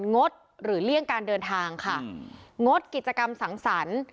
งดหรือเลี่ยงการเดินทางค่ะงดกิจกรรมสังสรรค์